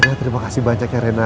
ya terima kasih banyak ya rena